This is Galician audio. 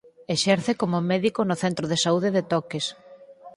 Exerce como médico no Centro de Saúde de Toques.